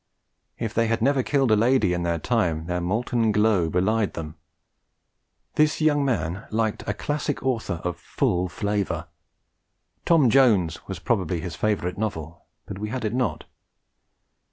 If they had never killed a lady in their time, their molten glow belied them. This young man liked a classic author of full flavour. Tom Jones was probably his favourite novel, but we had it not.